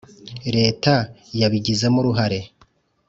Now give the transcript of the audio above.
Leta yabigizemo uruhare.